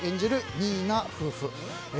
新名夫婦。